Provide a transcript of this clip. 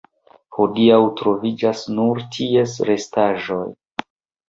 Hodiaŭ troviĝas nur ties restaĵoj.